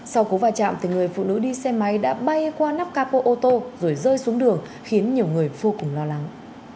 sau cú va chạm thì người phụ nữ đi xe máy đã bay qua nắp capo ô tô rồi rơi xuống đường khiến nhiều người vô cùng lo lắng